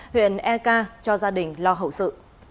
huyện erca cho gia đình lo hậu sự